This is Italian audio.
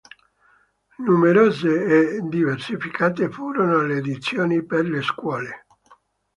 Numerose e diversificate furono le edizioni per le scuole.